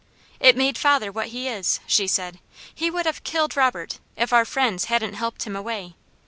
"It made father what he is," she said. "He would have killed Robert, if our friends hadn't helped him away.